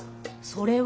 それは？